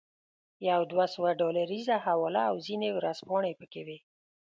یوه دوه سوه ډالریزه حواله او ځینې ورځپاڼې پکې وې.